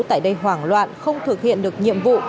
tại đây hoảng loạn không thực hiện được nhiệm vụ